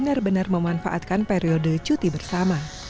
benar benar memanfaatkan periode cuti bersama